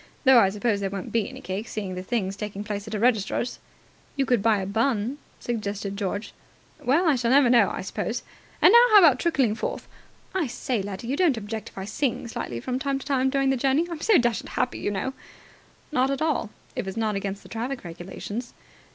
Though I suppose there won't be any cake, seeing the thing's taking place at a registrar's." "You could buy a bun," suggested George. "Well, I shall never know, I suppose. And now how about trickling forth? I say, laddie, you don't object if I sing slightly from time to time during the journey? I'm so dashed happy, you know." "Not at all, if it's not against the traffic regulations."